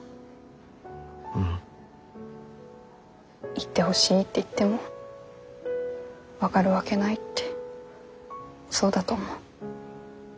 言ってほしいって言っても分かるわけないってそうだと思う。